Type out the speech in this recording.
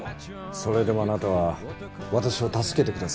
それでもあなたは私を助けてくださった。